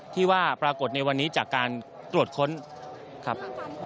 ที่ว่าปรากฏในวันนี้จากการตรวจค้นครับ